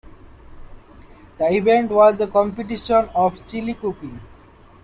The event was a competition of chili cooking.